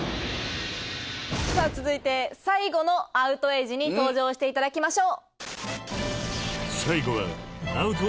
さぁ続いて最後のアウトエイジに登場していただきましょう。